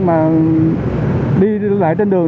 mà đi lại trên đường